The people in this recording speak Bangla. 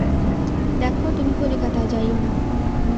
দেখো, তুমি কলিকাতায় যাইয়ো না।